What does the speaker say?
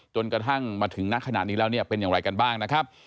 จนกระทั่งมาถึงนักขนาดนี้แล้วเนี่ยเป็นอย่างไรกันบ้างนะครับ